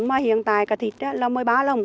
mà hiện tại cái thịt là một mươi ba lồng